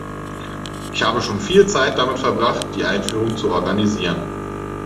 Ich habe schon viel Zeit damit verbracht, die Einführung zu organisieren.